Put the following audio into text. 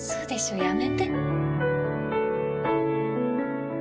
やめて。